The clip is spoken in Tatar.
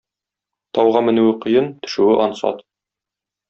Тауга менүе кыен, төшүе ансат.